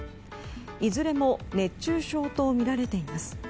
いずれも熱中症とみられています。